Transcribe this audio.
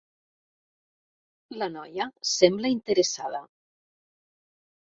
La noia sembla interessada.